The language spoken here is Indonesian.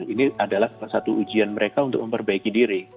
ini adalah salah satu ujian mereka untuk memperbaiki diri